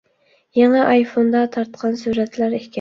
يېڭى ئايفوندا تارتقان سۈرەتلەر ئىكەن.